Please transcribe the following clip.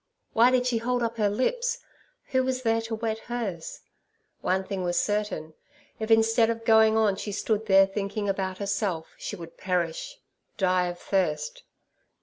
Why did she hold up her lips? Who was there to wet hers? One thing was certain, if instead of going on she stood there thinking about herself, she would perish—die of thirst.